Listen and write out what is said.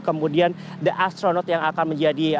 kemudian the astronot yang akan menjadi